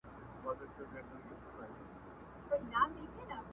ښه يې زما دي، بد يې زما دي، هر څه زما دي٫